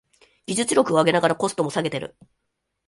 技術力を上げながらコストも下げてる